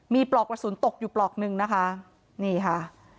มีปลอกกระสุนตกอยู่ปลอกหนึ่งนะคะนี่ค่ะ